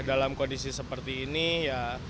dalam kondisi seperti ini ya